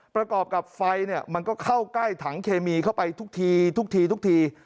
ประกอบกับไฟมันก็เข้าใกล้ถังเคมีเข้าไปทุกทีทุกทีทุกที